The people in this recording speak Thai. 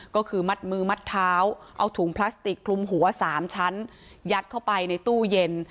ก็คือมัดมือมัดเท้าเอาถุงพลาสติกคลุมหัว๓ชั้นยัดเข้าไปในตู้เย็น